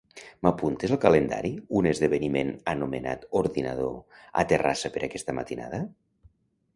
M'apuntes al calendari un esdeveniment anomenat "ordinador" a Terrassa per aquesta matinada?